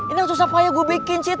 ini yang susah payah gue bikin cid